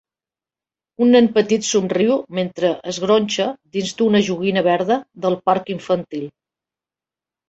Un nen petit somriu mentre es gronxa dins d'una joguina verda del parc infantil.